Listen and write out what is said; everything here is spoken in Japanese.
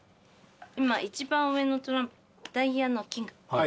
今一番上のトランプダイヤのキング。